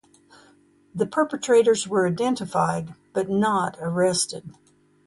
The perpetrators were identified but not arrested.